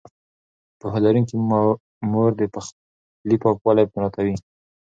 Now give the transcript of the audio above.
پوهه لرونکې مور د پخلي پاکوالی مراعتوي.